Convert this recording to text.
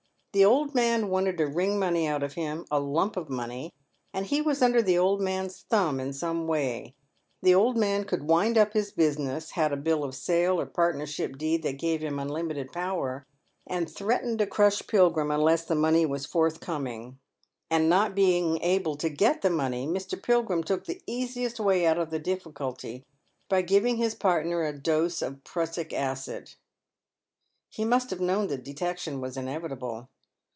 The old man wanted to wring money out of him, a lump of money, and he was under the old man's thumb in some way. The old man could wind up his business — had a bill of sale or partnership deed that gave him unlimited power, and threatened to crush Pilgrim unless the money was forthcoming. And not being able to get the money, Mr. Pilgrim took the easiest way out of the difficulty by giving his partner a dose of prussic acid." " He must have known that detection was inevitable."